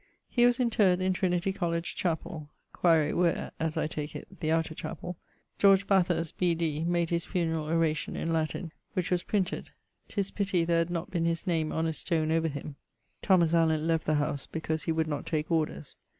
He was interred in Trinity College Chapell, (quaere where: as I take it, the outer Chapell.) George Bathurst[E] B.D. made his funerall oration in Latin, which was printed. 'Tis pitty there had not been his name on a stone over him. Thomas Allen ... left the house because he would not take orders.